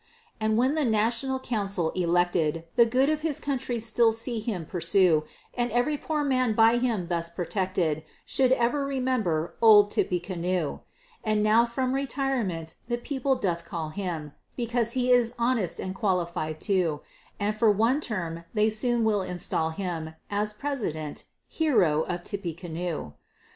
And when to the National Council elected, The good of his country still see him pursue, And every poor man by him thus protected, Should ever remember "Old Tippecanoe." And now from retirement the People doth call him, Because he is Honest and Qualified too; And for One Term they soon will install him As President "Hero of Tippecanoe."